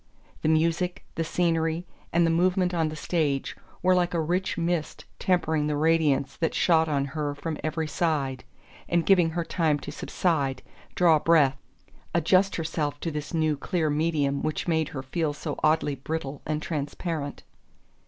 The music, the scenery, and the movement on the stage, were like a rich mist tempering the radiance that shot on her from every side, and giving her time to subside, draw breath, adjust herself to this new clear medium which made her feel so oddly brittle and transparent.